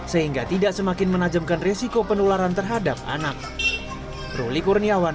sehingga tidak semakin menajamkan resiko penularan terhadap anak